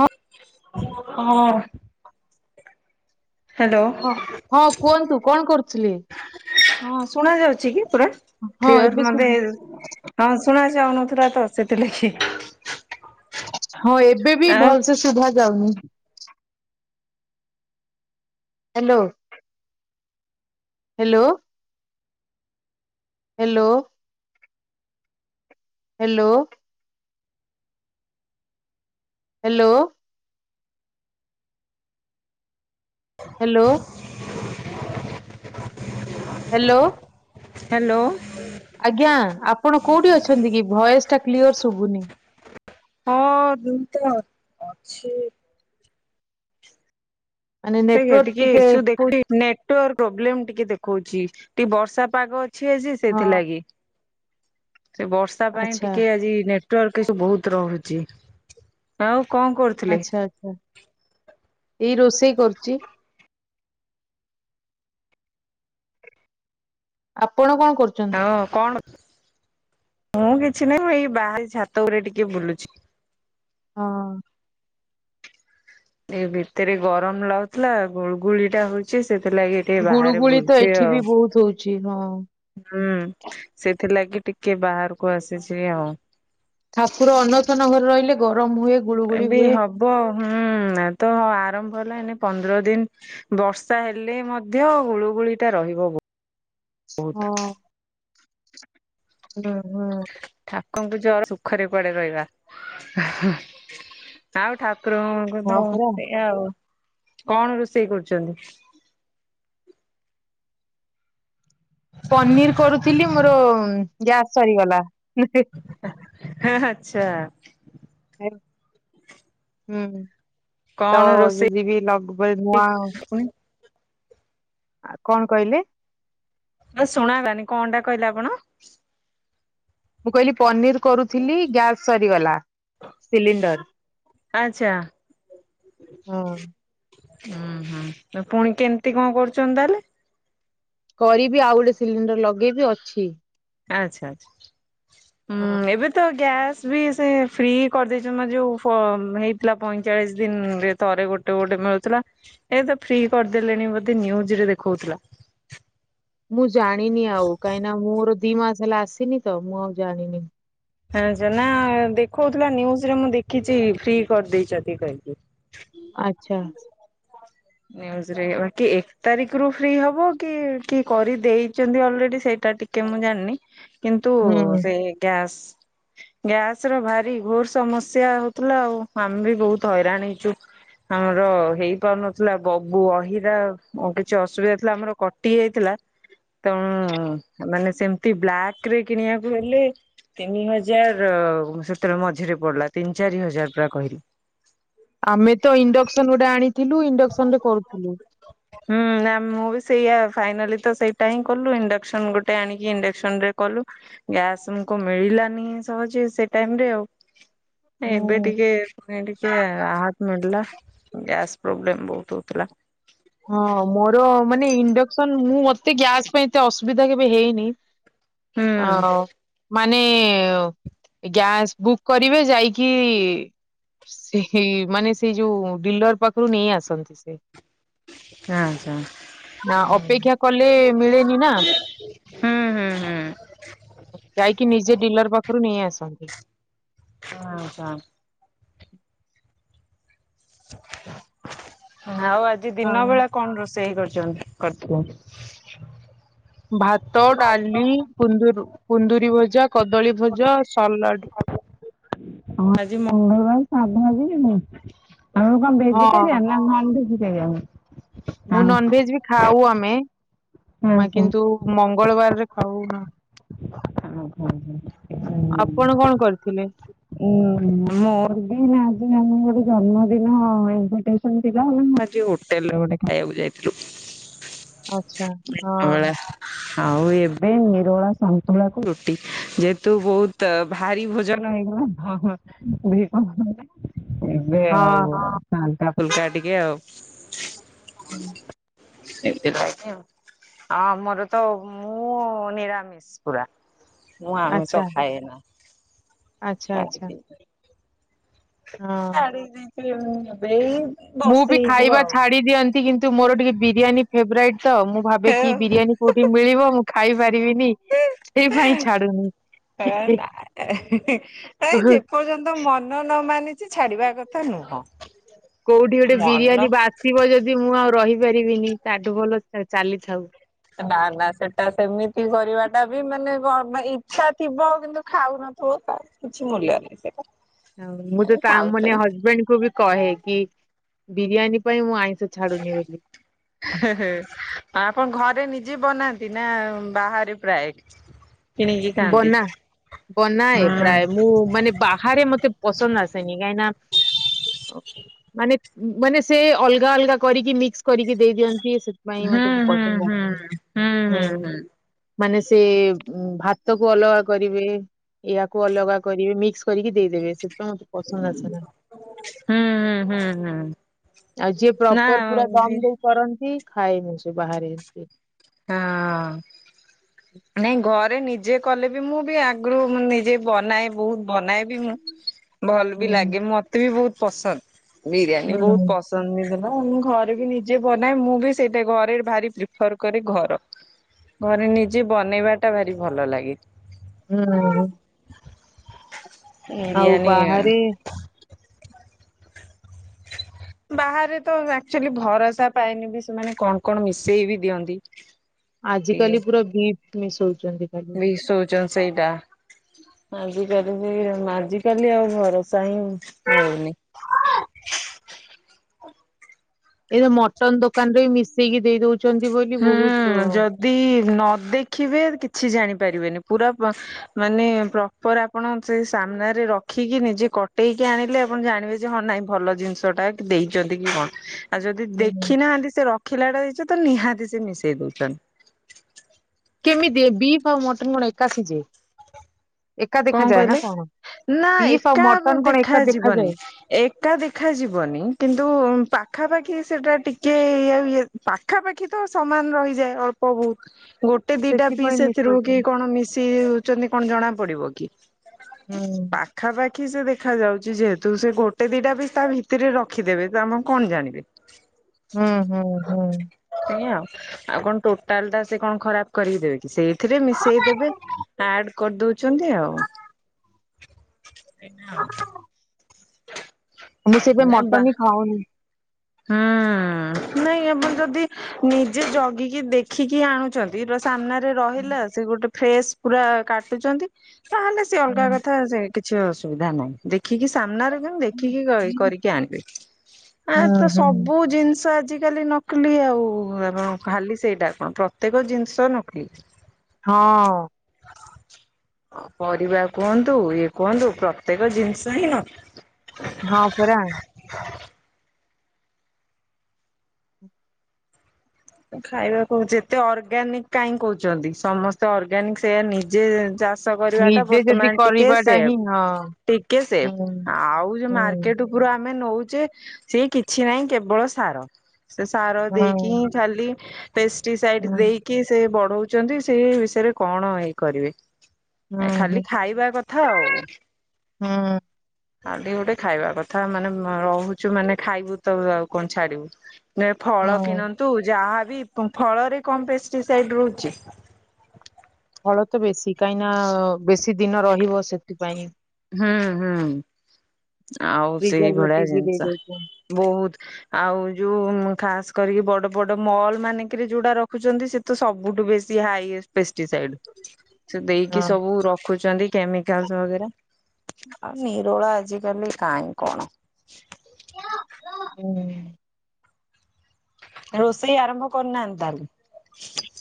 ହଁ। ହଁ। ହ୍ୟାଲୋ ହଁ, ହଁ, କୁହନ୍ତୁ କ'ଣ କରୁଥିଲେ? ହଁ, ଶୁଣା ଯାଉଛି କି ପୁରା ହଁ ଏବେ କ୍ଲିୟର ମତେ ଶୁଭୁ ହଁ ଶୁଣ ଯାଉନ ତୁରା ତ ଆସିଥିଲାକି। ହଁ, ଏବେ ବି ଭଲସେ ଶୁଭା ଯାଉନି। Hello! Hello! Hello! Hello! Hello! Hello! Hello! Hello! ଆଜ୍ଞା, ଆପଣ କୋଉଠି ଅଛନ୍ତି କି? ଭଏସ ଟା କ୍ଲିଅର ଶୁଭୁନି। ହଁ, ମୁଁ ତ ଅଛି। ମାନେ ସେଇ ଇଏ ନେଟୱାର୍କ ଟିକେ ଇସୁ ଦେଖଉଛି ନେଟୱର୍କ ପ୍ରୋବ୍ଲେମ ଟିକେ ଦେଖଉଛି। ଟିକେ ବର୍ଷା ପାଗ ଅ ଛି ଆଜି ହଁ ସେଇଥିଲାଗି। ସେ ବର୍ଷା ପାଇଁ ଆଚ୍ଛା ଟିକେ ଆଜି ନେଟୱାର୍କ ଏ ସବୁ ବହୁତ ରହୁଛି। ଆଉ କ'ଣ କରୁଥିଲେ? ଆଚ୍ଛା ଆଚ୍ଛା ଏଇ ରୋଷେଇ କରୁଛି। ଆପଣ କ'ଣ କରୁଛନ୍ତି? ହଁ କଣ ମୁଁ କିଛି ନାହିଁ ମୁଁ ଏଇ ବାହାରେ ଛାତ ଉପରେ ଟିକେ ବୁଲୁଛି। ହଁ। ଏଇ ଭିତରେ ଗରମ ଲାଗୁଥିଲା ଗୁଳୁଗୁଳି ଟା ହଉଛି। ସେଥିଲାଗି ଟିକେ ବାହାରେ ଗୁଳୁଗୁଳି ତ ବୁଲୁଛି ଏଠି ଆଉ। ବି ବହୁତ ହଉଛି ହଁ ହୁଁ, ସେଥିଲାଗି ଟିକେ ବାହାରକୁ ଆସିଛି ଆଉ। ଠାକୁର ଅନସନ ଘରେ ରହିଲେ ଗରମ ହୁଏ ଗୁଳୁଗୁଳି ଏବେ ହୁଏ ହବ ହୁଁ ତ ଆରମ୍ଭ ହେଲା ଏନେ ପନ୍ଦର ଦିନ ବର୍ଷା ହେଲେ ମଧ୍ୟ ଗୁଳୁଗୁଳି ଟା ରହିବ ବ ହଁ, ହୁଁ, ହୁଁ। ଠାକୁରଙ୍କୁ ଜର ସୁଖରେ କୁଆଡେ ରହିବା ଆଉ ଠା କୁରଙ୍କୁ ହଁ ତ ପରା ସେଇଆ ଆଉ। କ'ଣ ରୋଷେଇ କରୁଛନ୍ତି? ପନିର କରୁଥିଲି ମୋର ଗ୍ୟାସ ସରିଗଲା। ହଁ ଆଚ୍ଛା! ହୁଁ। ତ କଣ ରୋଷେଇ ଯଦିବ ଲଗ ନଆ [unintelligible] ଆ କଣ କହିଲେ? ମତେ ଶୁଣାଗଲା ନି କଣ ଟା କହିଲେ ଆପଣ? ମୁଁ କହିଲି ପନିର କରୁଥିଲି ଗ୍ୟାସ୍ ସରିଗଲା, ସିଲିଣ୍ଡର ଆଚ୍ଛା। ହ ଉୁଁ ହୁଁ ପୁଣି କେମିତି କଣ କରୁଛଛନ୍ତି ତାହେଲେ? କରିବି, ଆଉ ଗୋଟେ ସିଲିଣ୍ଡର ଲଗେଇକି ଅଛି। ଆଛା ଆଚ୍ଛା ହୁଁ ହଁ। ଏବେ ତ ଗ୍ୟାସ୍ ବି ସେ ଫ୍ରି କରିଦେଇଛନ୍ତି ମ ଯୋଉ ଫ ହେଇଥିଲା ପଇଁଚାଳିଶ ଦିନରେ ଥରେ ଗୋଟ୍ ଗୋଟେ ଗୋଟେ ମିଳୁଥିଲା ଏ ତ ଫ୍ରି କରିଦେଲେଣି ବୋଧେ ନିଉଜ ରେ ଦେଖଉଥିଲା। [inaudible] ଜାଣିନି ଆଉ କାହିଁକି ନା ମୋର ଦି ମାସେ ହେଲା ଆସିନି ତ ମୁଁ ଆଉ ଜାଣିନି। [unintelligible] ଆଛ ନା ଦେଖଉଥିଲା ନିଉଜ୍ ରେ ମୁଁ ଦେଖିଛି ଫ୍ରି କରିଦେଇଛନ୍ତି। [unintelligible] ଆଚ୍ଛା। ନିୟୁଜରେ ବାକି ଏକ ତାରିଖ ରୁ ଫ୍ରି ହବ କି କି କରିଦେଇଛନ୍ତି ଅଲରେଡି ସେ ସେଟା ଟିକେ ମୁଁ ଜାଣିନି କିନ୍ତୁ ହୁଁ ସେ ଗ୍ୟାସ୍ [inaudible] ଗ୍ୟାସ ର ଭାରି ଘୋର ସମସ୍ୟା ହଉଥିଲା ଆଉ ଆମେ ବି ବୋହୁତ ହଇରାଣ ହେଇଚୁ। ଆମର ହେଇପାରୁନ ଥିଲା ବ ବହିରା କିଛି ଅସୁବିଧା ଥିଲା ଆମର କଟି ଯାଇଥିଲା [unintelligible] ତ ମାନେ ସେମିତି ବ୍ଲାକ ରେ କିଣିବାକୁ ହେଲେ ତିନି ହଜାର ସେତେବେଳେ ମଝିରେ ପଡିଲା ତିନି ଚାରି ହଜାର ପୁରା କହିଲେ ଆମେ ତ ଇଣ୍ଡକ୍ସନ ଗୋଟେ ଆଣିଥିଲୁ ଇଣ୍ଡକ୍ସନ ରେ କରୁଥିଲୁ ହୁଁ ନା ମୁଁ ବି ସେଇଆ ଫାଇନାଲି ତ ସେଇଟା ହିଁ କଲୁ ଇଣ୍ଡକ୍ସନ ଗୋଟେ ଆଣିକି ଇଣ୍ଡକ୍ସନ ରେ କଲୁ ଗ୍ୟାସ ନ କୋଉ ମିଳିଲାନି ସହଯେ ସେ ଟାଇମରେ ଆଉ ଏବେ ହୁଁ। ଟିକେ [unintelligible] ଟିକେ ରାହାତ ମିଳିଲା ଗ୍ୟାସ୍ ପ୍ରୋବ୍ଲେମ ବୋହୁତ ହୋଉଥିଲା। ହଁ ମୋର ମାନେ ଇଣ୍ଡକ୍ସନ, ମୁଁ ମତେ ଗ୍ୟାସ ପାଇଁ ଏତେ ଅସୁବିଧା କେବେ ହେଇନି। ଅଁ ହୁଁ ମାନେ ଗ୍ୟାସ୍ ବୁକ୍ କରିବେ ଯାଇକି। ସେହେଇ ମାନେ ସେଇ ଯୋଉ ଡିଲର ପାଖରୁ ନେଇ ଆସନ୍ତି ସେ। ଆଚ୍ଛା ନା ଅପେକ୍ଷା କଲେ ମିଳେନି ନା। ହୁଁ ହୁଁ ହୁଁ ଯାଇକି ନିଜେ ଡିଲର ପାଖରୁ ନେଇ ଆସନ୍ତି। ଆଚ୍ଛା [inaudible] [inaudible] ଆଉ ଆଜି ଦିନ ହଁ ବେଳା କଣ ରୋଷେଇ କରିଛନ୍ତି କରିଥିଲେ। ଭାତ ଡାଲି କୁନ୍ଦୁର କୁନ୍ଦୁରି ଭଜା କଦଳୀ ଭଜା ସାଲାଡ୍। ହଁ ଆଜି ମଙ୍ଗଳବାର ସାଧା ଆଜି କି ନାଇଁ ଆପଣ କଣ ହଁ ଭେଜିଟେରିଆନ୍ ନା ନନ୍ ଭେଜିଟୋରିଆନ୍! ମୁଁ ନନଭେଜ ବି ଖାଉ ଆମେ ମ୍ କିନ୍ତୁ ମଙ୍ଗଳବାରରେ ଖାଉନା। ହ ହ ହଁ ହ ଆପଣ ହ କଣ କରିଥିଲେ [unintelligible] ହୁଁ ମୋର ବି [unintelligible] ଜନ୍ମଦିନ ଇନ୍ଭାଇଟେସନ୍ ଥିଲା ଆଜି ହୋଟେଲରେ ଗୋଟେ ଖାଇବାକୁ ଯାଇଥିଲୁ। ଆଚ୍ଛା [unintelligible] ହଁ ଦୀନ ବେଳା ଆଉ ଏବେ ନିରୋଳା ସନ୍ ସନ୍ତୁଳା କୁ ରୁଟି ଯେହେତୁ ବୋହୁତ ଭାରି ଭୋଜନ ହେଇଗଲା ତ ହଁ କ [unintelligible] ଏବେ ହଁ ଆଉ ହାଲକା ଫୁଲକା ଟିକେ ଆଉ [inaudible] ସେଥିପାଇଁ ଆଉ ଆମର ତ ମୁଁ ନିରାମିଷ ପୁରା। ମୁଁ ଆଚ୍ଛା ଆମିଷ ଖାଏନା। ଆଚ୍ଛା ଆଚ୍ଛା [unintelligible] ହଁ। ଆଣି ଦେଇକିଦେଇ ମୁଁ ବି ଖାଇବା ଛାଡି ଦିଅନ୍ତି କିନ୍ତୁ ମୋର ଟିକେ ବିରିୟାନୀ ଫେବରାଇଟ ତ ମୁଁ ଭା ବିକିି ବିରିୟାନୀ କୋଉଠି ମିଳିବ ମୁଁ ଖାଇ ପାରିବିନି। ସେଇ ପାଇଁ ଛାଡ଼ୁ ନି। ନାଇ ଯେପର୍ଯ୍ୟନ୍ତ ମନ ନ ମାନିଛି ଛାଡ଼ିବା କଥା ନୁହଁ। କୋଉଠି ଗୋଟେ ମନ ବିରିୟାନୀ ବାସିବ ଯଦି ମୁଁ ଆଉ ରହିପାରିବିନି ତାଠୁ ଭଲ ଚା-ଚାଲିଥାଉ। ନା ନା ସେଟା ସେମିତି କରିବା ସେଟା ବି ମାନେ ଇଛା ଥିବ କିନ୍ତୁ ଖାଉନଥିବୁ ତାର କିଛି ମୂଲ୍ୟ ନାହିଁ ସେଇଟା ହଉ ମୁଁ ତ ତା ମାନେ ହଜବେଣ୍ଡ କୁ ବି କହେ କି ବିରିୟାନୀ ପାଇଁ ମୁଁ ଆଇ ଆ ଆପଣ ଘରେ ନିଜେ ବନାନ୍ତି। ନ୍ତିନା ବାହାର ପ୍ରାଏ। ବନା ବନାଏ ହୁଁ ପ୍ରାୟ ମୁଁ ମାନେ ବାହାରେ ମତେ ପସନ୍ଦ ଆସେ ଆସେନି କାଇ ନା ମାନେ ମାନେ ସେ ଅଲଗା ଅଲଗା କରିକି ମିକ୍ସ କରିକି ଦେଇଦିଅନ୍ତି। ସେଥିପାଇ ହୁଁ ମତେ ହୁଁ ପସନ୍ଦ ହୁଁ ଆସେନି ହୁଁ ମାନେ ସେ ଭାତ୍ ଭାତକୁ ଅଲଗା କରିବେ ଏଆକୁ ଅଲଗା କରିବେ ମିକ୍ସ କରିକି ଦେଇଦେବେ ସେ ମତେ ପସନ୍ତ ଆସେନି। ହୁଁ ହୁଁ। ହୁଁ ଆଉ ଯିଏ ନା ପ୍ରପର ପୁରା ହଁ ଦମ ଦେଇ କରନ୍ତି ଖାଇ ମି ସେ ବାହାରେ ଏତେ ହଁ ନାଇଁ ଘରେ ନି ଯିଏ କଲେ ବି ମୁଁ ବି ଆଗରୁ ନିଜେ ବନାଏ ବହୁତ ବନାଏ ଭଲ ବି ଲାଗେ ମତେ ବି ବହୁତ ପସନ୍ଦ ବିରିୟାନୀ ବହୁତ ହୁଁ ପସନ୍ଦ ମୁଁ ଘରେ ବି ନିଜେ ବନାଏ ମୁଁ ବି ସେଇଟା ଘରେ ଭାରି ପ୍ରିଫର କରେ ଘର ଘରେ ନିଜେ ବନେଇବା ଟା ଭାରି ଭଲ ଲାଗେ। ହୁଁ। ଆଉ ବିରିୟାନୀ ବାହାରେ [inaudible] ବାହାରେ ତ ଏକ୍ଟୁଆଲି ଭରସା ପାଇନି ବି ସେମାନେ କଣ କଣ ମିଶେଇ ବି ଦିଅନ୍ତି। ଆଜି ଟିକେ କାଲି ପୁରା ଭିଟ୍ ମିଶଉଛନ୍ତି ଖାଲି। ମିଶଉଛନ୍ତି ସେଇଟା ଆଜିକାଲି ସେ ଆଜିକାଲି ଆଉ ଭରସା ହିଁ ମିଳୁନି। ଏଇଯୋଉ ମଟନ୍ ଦୋକାନ ବି ମିଶେଇକି ଦେଇ ଦଉ ହୁଁ ଯଦି ନ ଦେଖିବେ କିଛି ଜାଣି ପାରିବେନି ପୁରା ପ- ମାନେ ପ୍ରପର ଆପଣ ସେ ସାମ୍ନାରେ ରଖିକି ନିଜେ କଟେଇିକି ଆଣିଲେ ଆପଣ ଜାଣିବେ ଯେ ହଁ ନାଇଁ ଭଲ ଜିନିଷ ଟା ଦେଇଛନ୍ତି କି କଣ। ଆଉ ଯଦି ହୁଁ। ଦେଖି ନାହାନ୍ତି ସେ ରଖିଲା ଟା ହେଇଛ ତ ନିହାତି ସେ ମିଶେଇ ଦୋଉଛନ୍ତି। କେମିତି ବିଫ ମଟନ୍ ଗୁଡ଼ା ଏକା ସିଝେ? ଏକା କଣ ଦେଖାଯାଏ ନା କହିଲେ? କଣ? ନା ବିଫ୍ ଆଉ ମଟନ କଣ ଏକା-ଦେଖା ଏକା ଯିବନି ଦେଖାଯାଏ ଏକା ଦେଖା ଯିବନି କିନ୍ତୁ ପା ପାଖାପାଖି ସେଟା ଟିକେ ଇ ଇଏ ପାଖାପାଖି ତ ସମାନ ରହିଯାଏ ଅଳ୍ପ ବହୁତ୍। ଗୋଟେ ଦିଟା ସେଥିପାଇଁ ପିସ୍ ଏଥିରୁ କି ମିଶଉଛନ୍ତି କଣ ମିଶି ହଉଛନ୍ତି କଣ ଜଣା ପଡ଼ିବ କି? ହୁଁ। ପାଖାପାଖି ସେ ଦେଖ ଦେଖା ଯାଉଛି ଯେହେତୁ ସେ ଗୋଟେ ଦିଟା ବି ତା ଭିତରେ ରଖିଦେବେ ଆମେ କଣ ଜାଣିବେ? ହୁଁ ହୁଁ ହୁଁ। ସେଇଆ ଆଉ ଆଉ କଣ ଟୋଟାଲ ଟା ସେ କଣ ଖରାପ କରି ଦେବେ କି ସେଇଥିରେ ମିଶେଇଦବେ ଆଡ଼ କରିଦଉଛନ୍ତି ଆଉ। ମୁଁ ସେଇତିପାଇଁ ନା ବା ମଟନି ଖାଉନି। ହୁଁ। ନାଇଁଆପଣ ଯଦି ନିଜେ ଜଗିକି ଦେଖିକି ଆଣୁଛନ୍ତି ତ ସାମ୍ନା ରହିଲା ସେ ଗୋଟେ ଫ୍ରେସ୍ ପୁରା କାଟୁଛନ୍ତି ତାହେଲେ ସେ ଅଲଗା ହୁଁ, କଥା ସେ କିଛି ଅସୁବିଧା ନାଇଁ ଦେଖିକି ସାମ୍ନାରେ ତ ମୁଁ ହୁଁ, ଦେଖିକି କରିକି ଆଣିବି ଆ ତ ହୁଁ, ସବୁ ଜିନି ଜିନିଷ ଆଜିିକାଲି ନକଲି ଆଉ ଆପଣ ଖାଲି ସେଇଟା କଣ ପ୍ରତ୍ୟେକ ଜିନିଷ ନକଲି। ହଁ ପରିବା କୁହନ୍ତୁ ଇଏ କୁହନ୍ତୁ ପ୍ରତ୍ୟେକ ଜିନିଷ ହିଁ ନ ହଁ ପରା। ଖାଇବାକୁ ଯେତେ ଅର୍ଗାନିକ କାହିଁ କହୁଛନ୍ତି ସମସ୍ତେ ଅର୍ଗାନିକ ସେଇଆ ନିଜେ ଚାଷ ଚାଷ କରିବା ଟା ନିଜେ ଯଦି ବର୍ତ୍ତମାନ ଟିକେ କରିବାଟା ସେ ହିଁ ହଁ ଟିକେ ସେଭ୍ ହୁଁ, ଆଉ ଯ ହୁଁ, ମାର୍କେଟ ପୁରା ଆମେ ନଉଚେ ସିଏ କିଛି ନାହିଁ କେବଳ ସାର ସେ ସାର ହୁଁ, ଦେଇକିଁ ଖାଲି ପେଷ୍ଟିସାଇଡ ହୁଁ, ଦେଇକି ସେ ବ ରହୁଛନ୍ତି ସେଇ ବିଷୟରେ କଣ ଏଇ କରିବେ ହୁଁ, ଖାଲି ହୁଁ, ଖାଇବା କଥା ଆଉ ହୁଁ, ଖାଲି ଗୋଟେ ଖାଇବା କଥା ମାନେ ରହୁଛୁ ମାନେ ଖାଇବୁ ତ ଆଉ କଣ ଛାଡିବୁ। ନା ଫଳ ହୁଁ। କିିଣ ଯାହାବି ଫଳରେ କମ୍ ପେଷ୍ଟିସାଇଡ ରହୁଛି। ଫଳ ତ ବେଶୀ କାହିଁକି ନା ବେଶୀ ଦିନ ରହିବ ସେଥିପାଇଁ ହୁଁ ହୁଁ ଆଉ ସେଇ ଭଳିଆ ପ୍ରିଜରଭେଟିଭ ବି ଜିନିଷ ଦେଇଦଉଚୁ। ବହୁତ ଆଉ ଯୋଉ ଖାସ୍ କରିକି ବଡ ବଡ ମହଲ ମାନେଙ୍କେରେ ଯୋଉଡା ରଖୁଛନ୍ତି ସେ ତ ସବୁ ବେଶୀ ହାଇଏଷ୍ଟ ପେଷ୍ଟିସାଇଡ। ସେ ଦେଇକି ହଁ ସବୁ ରଖୁଛନ୍ତି କେମିକାଲ୍ ସାହାର୍ଯ୍ୟରେ ଆଉ ନିରୋଳା ଆଜିକାଲି କାଇଁ କଣ? ହୁଁ। ରୋଷେଇ ଆରମ୍ଭ କରିନାହାଁନ୍ତି ତାହାଲେ?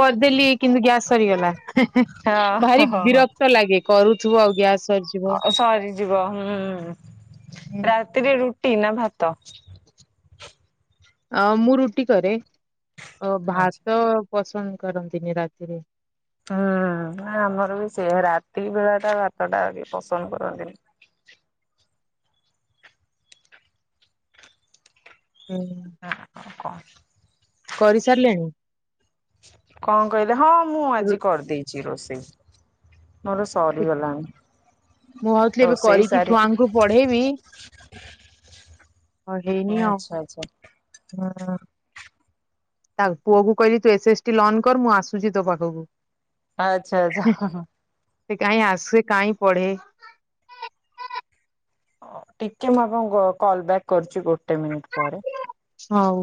କରିଦେଲି କିନ୍ତୁ ଗ୍ୟାସ ସରିଗଲା ହେଁ ହେଁ ହଁ ହଁ ଭାରି ହଁ ହଁ। ବିରକ୍ତ ଲାଗେ। କରୁଥିବ ଆଉ ଗ୍ୟାସ୍ ସରିଯିବ। ସରିଯିବ ହୁଁ ହୁଁ। ରାତିରେ ରୁ ଟି ଭାତ ଅ ମୁଁ ରୁଟି କରେ ଆଚ୍ଛା। ଭାତ ପସନ୍ଦ କରନ୍ତିନି ରାତିରେ ହୁଁ ନା ଆମର ବି ସେଇଆ ରାତି ବେଳାଟା ଭାତ ଟା କେହି ପସନ୍ଦ କରନ୍ତିନି। ହୁଁ। ନା କଣ କୁହନ୍ତୁ? କରିସାରିଲେଣି? କଣ କହିଲେ ହଁ ମୁଁ ରୁ- ଆଜି କରିଦେଇଛି ରୋଷେଇ। ମୋର ସରିଗଲାଣି। ମୁଁ ଭାବୁଥିଲି ଏବେ ରୋଷେଇ କରିକି ସାରିକି ଛୁଆଙ୍କୁ ପଢେଇମି। ପଢ଼େଇନି ଆଉ ଆଚ୍ଛା ଆଚ୍ଛା ହଁ ତା ପୁଅ କୁ କହିଲି ତୁ ଏସ ଏସ୍ ଟି ଲଞ୍ଚ କର ମୁଁ ଆସୁଛି ତୋ ପାଖକୁ ଆଚ୍ଛା ଆଚ୍ଛା ହଁ ହଁ। ସେ କାଇଁ ଆସେ କାଇଁ ପଢେ ହ ଟିକେ ମୁଁ ଆପଣଙ୍କୁ କଲ୍ ବ୍ୟାକ୍ କରୁଛି ଗୋଟେ ମିନିଟ୍ ପରେ ହଉ।